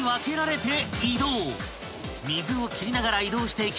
［水を切りながら移動していき